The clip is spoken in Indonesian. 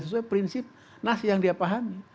sesuai prinsip nas yang dia pahami